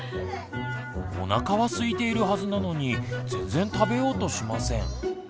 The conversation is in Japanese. おなかはすいているはずなのに全然食べようとしません。